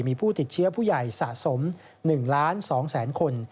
มีผู้ติดเชื้อผู้ใหญ่สะสม๑๒๐๐๐คน